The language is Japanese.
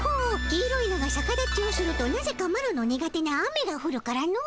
黄色いのがさか立ちをするとなぜかマロの苦手な雨がふるからの。